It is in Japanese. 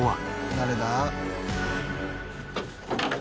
誰だ？